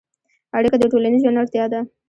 اړیکه د ټولنیز ژوند اړتیا ده.